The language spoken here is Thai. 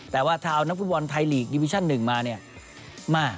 แต่ว่าถ้าเอานักฟุตบอลไทยลีกดิวิชั่น๑มาเนี่ยมา